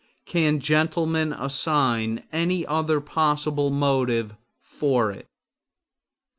Can gentlemen assign any other possible motive for it?